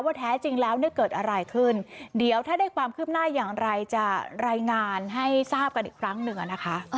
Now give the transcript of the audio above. ว่าแท้จริงแล้วเกิดอะไรขึ้น